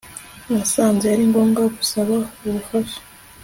nasanze ari ngombwa gusaba ubufasha